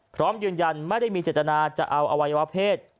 พร้อมยืนยันไม่ได้มีเจตนาจะเอาอวัยวะเพศ